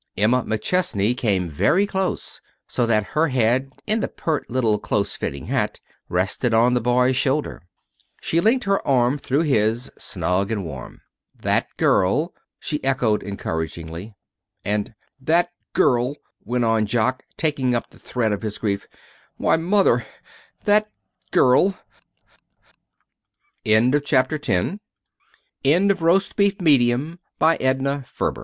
Emma McChesney came very close, so that her head, in the pert little close fitting hat, rested on the boy's shoulder. She linked her arm through his, snug and warm. "That girl " she echoed encouragingly. And, "That girl," went on Jock, taking up the thread of his grief, "why, Mother, that girl " THE END End of the Project Gutenberg EBook of Roast Beef, Medium, by Edna Ferber END OF THIS PROJECT GUTENBERG EBOOK